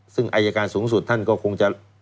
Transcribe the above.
ซึ่งอายการสูงสุดท่านก็คงจะ